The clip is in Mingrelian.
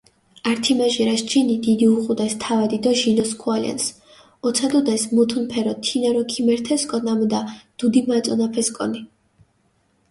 ართიმაჟირაშ ჯინი დიდი უღუდეს თავადი დო ჟინოსქუალენს, ოცადუდეს მუთუნფერო, თინერო ქიმერთესკო ნამუდა დუდი მაწონაფესკონი.